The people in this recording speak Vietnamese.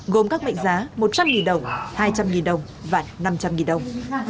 gồm các mệnh giá một trăm linh đồng hai trăm linh đồng và năm trăm linh đồng